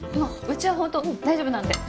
うちは本当大丈夫なんで。